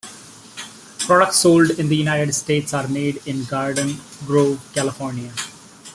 Products sold in the United States are made in Garden Grove, California.